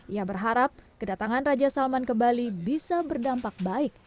ia berharap kedatangan raja salman ke bali bisa berdampak baik